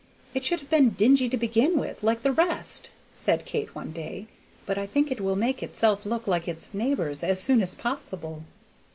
"It should have been dingy to begin with, like the rest," said Kate one day; "but I think it will make itself look like its neighbors as soon as possible."